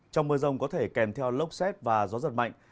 trong mưa rông có thể kèm theo lốc xét và gió giật mạnh